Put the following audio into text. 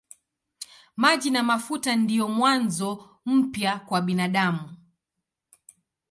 Maji na mafuta ndiyo mwanzo mpya kwa binadamu.